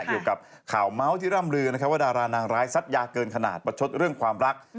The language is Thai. เกี่ยวกับข่าวเมาส์ที่ร่ำลือนะครับว่าดารานางร้ายซัดยาเกินขนาดประชดเรื่องความรัก